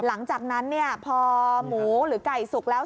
หลังจากนั้นเนี่ยพอหมูหรือไก่สุกแล้ว